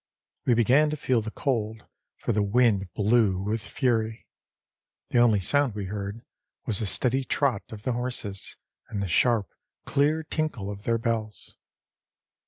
We began to feel the cold, for the wind blew with fury; the only sound we heard was the steady trot of the horses and the sharp clear tinkle of their bells.